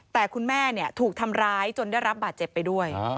แต่คุณแม่ถูกทำร้ายจนได้รับบาดเจ็บไปด้วย